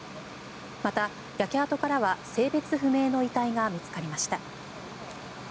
また、焼け跡からは性別不明の遺体が見つかりました。